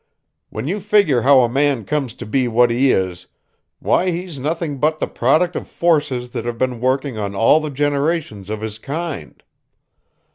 When you figure how a man comes to be what he is, why he's nothing but the product of forces that have been working on all the generations of his kind.